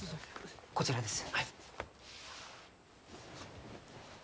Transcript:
こちらです。